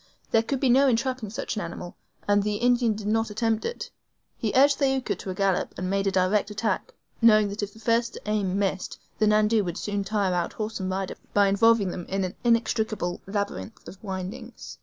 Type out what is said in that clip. There could be no entrapping such an animal, and the Indian did not attempt it. He urged Thaouka to a gallop, and made a direct attack, knowing that if the first aim missed the NANDOU would soon tire out horse and rider by involving them in an inextricable labyrinth of windings.